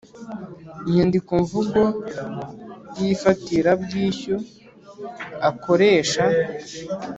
inyandikomvugo y ifatirabwishyu akoresha